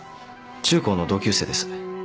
中高の同級生です。